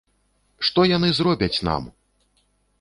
Што яны зробяць нам!